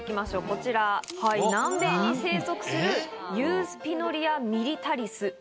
こちら、南米に生息するユースピノリア・ミリタリス。